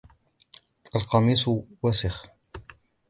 القميص وسخ.